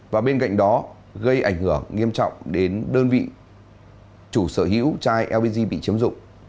và bên cạnh đó gây ảnh hưởng nghiêm trọng đến đơn vị chủ sở hữu chai lbg bị chiếm dụng